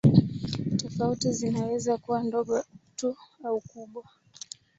Tofauti zinaweza kuwa ndogo tu au kubwa.